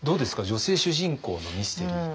女性主人公のミステリー。